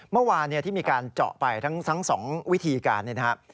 เมื่อวานที่มีการเจาะไปทั้งสองวิธีการนี้ฮะ